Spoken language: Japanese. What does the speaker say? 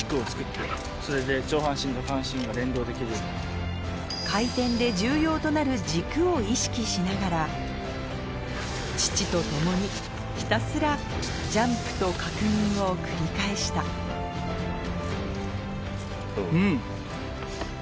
できるように。を意識しながら父と共にひたすらジャンプと確認を繰り返したうん！